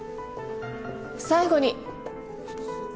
最後に。